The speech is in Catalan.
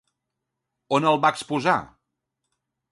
On el va exposar?